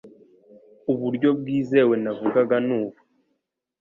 uburyo bwizewe navugaga nubu